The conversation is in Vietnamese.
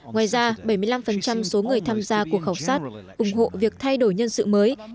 ngoài ra bảy mươi năm số người tham gia cuộc khảo sát ủng hộ việc thay đổi nhân sự mới